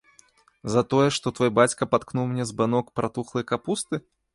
За тое, што твой бацька паткнуў мне збанок пратухлай капусты?